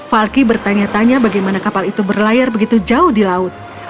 falky bertanya tanya bagaimana kapal itu berlayar begitu jauh di laut